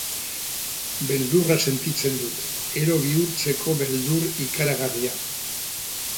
Beldurra sentitzen dut, ero bihurtzeko beldur ikaragarria.